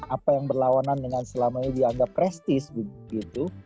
apa yang berlawanan dengan selama ini dianggap prestis begitu